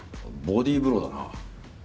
ボディーブローだな。